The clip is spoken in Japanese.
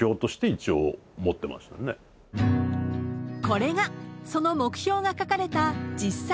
［これがその目標が書かれた実際のメモ］